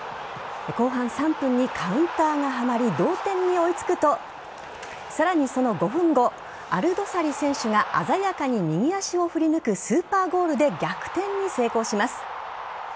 後半３分にカウンターがはまり同点に追いつくとさらにその５分後アルドサリ選手が鮮やかに右足を振り抜くスーパーゴールで逆転に成功します。